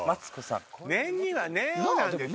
念には念をなんです。